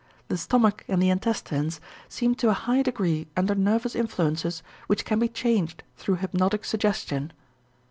The stomach and the intestines seem to a high degree under nervous influences which can be changed through hypnotic suggestion.